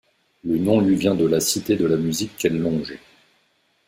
Le nom lui vient de la Cité de la musique qu'elle longe.